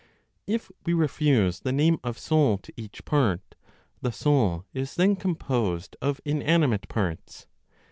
If we refuse the name of soul to each part, the soul is then composed of inanimate parts.